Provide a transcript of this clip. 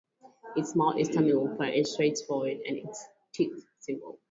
Its mouth is terminal (pointed straight forward) and its teeth simple.